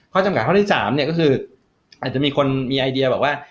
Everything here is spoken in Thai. ข้อจำกัดข้อที่๓ก็คืออาจจะมีคนมีไอเดียว่า